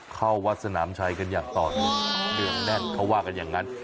เข้าวัดสนามชัยกันอย่างต่อเนื่องเนืองแน่นเขาว่ากันอย่างนั้น